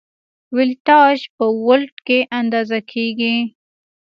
ولتاژ په ولټ کې اندازه کېږي.